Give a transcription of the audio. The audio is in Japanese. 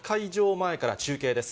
前から中継です。